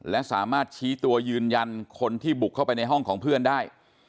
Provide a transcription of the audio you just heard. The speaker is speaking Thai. และสามารถชี้ตัวยืนยันคนที่บุกเข้าไปในห้องของเพื่อนได้